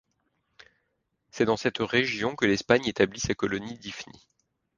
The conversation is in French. C'est dans cette région que l'Espagne établit sa colonie d'Ifni.